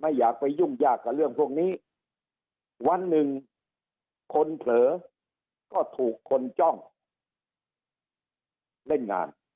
ไม่อยากไปยุ่งยากกับเรื่องพวกนี้วันหนึ่งคนเผลอก็ถูกคนจ้องเล่นงาน